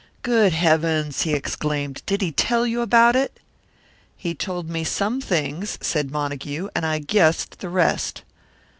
"Good heavens!" he exclaimed. "Did he tell you about it?" "He told me some things," said Montague, "and I guessed the rest."